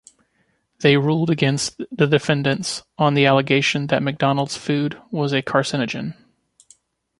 They ruled against the defendants on the allegation that McDonald's food was a carcinogen.